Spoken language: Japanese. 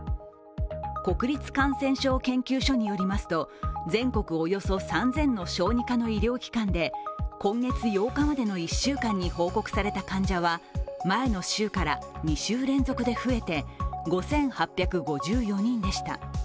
国立感染症研究所によりますと、全国およそ３０００の小児科の医療機関で今月８日までの１週間に報告された患者は前の週から２週連続で増えて５８５４人でした。